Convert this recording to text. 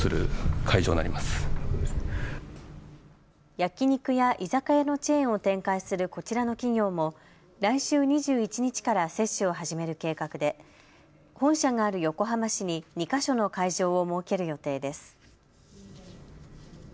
焼き肉や居酒屋のチェーンを展開するこちらの企業も来週２１日から接種を始める計画で本社がある横浜市に２か所の会場を設ける予定です。